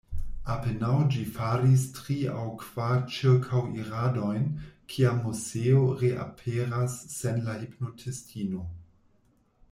Apenaŭ ĝi faris tri aŭ kvar ĉirkaŭiradojn, kiam Moseo reaperas sen la hipnotistino.